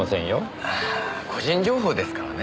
ああ個人情報ですからね。